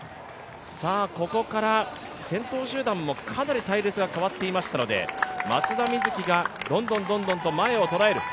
ここから先頭集団もかなり隊列が変わっていましたので、松田瑞生がどんどんと前をとらえる。